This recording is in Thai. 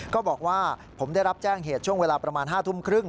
ก็บอกว่าผมได้รับแจ้งเหตุช่วงเวลาประมาณ๕ทุ่มครึ่ง